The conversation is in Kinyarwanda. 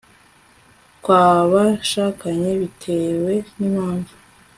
kwa bashakanye bitewe n'impamvu